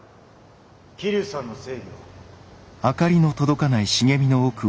桐生さんの正義を。